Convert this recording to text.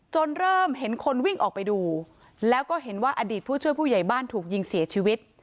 เริ่มเห็นคนวิ่งออกไปดูแล้วก็เห็นว่าอดีตผู้ช่วยผู้ใหญ่บ้านถูกยิงเสียชีวิต